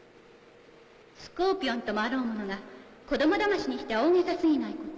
スコーピオンともあろうものが子供だましにしては大げさ過ぎないこと？